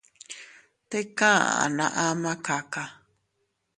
Tika aʼa naa ama kaka.